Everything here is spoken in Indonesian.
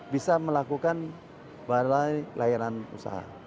bisa melakukan layanan usaha